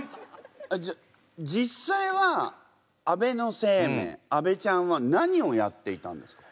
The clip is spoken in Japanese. じゃあ実際は安倍晴明安倍ちゃんは何をやっていたんですか？